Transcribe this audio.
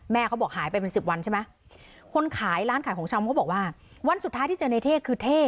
เขาบอกหายไปเป็นสิบวันใช่ไหมคนขายร้านขายของชำเขาบอกว่าวันสุดท้ายที่เจอในเท่คือเท่